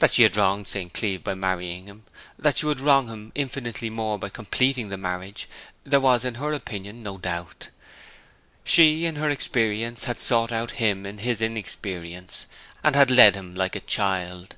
That she had wronged St. Cleeve by marrying him that she would wrong him infinitely more by completing the marriage there was, in her opinion, no doubt. She in her experience had sought out him in his inexperience, and had led him like a child.